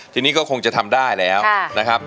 ทีนี้ก็คงจะทำได้แล้วนะครับ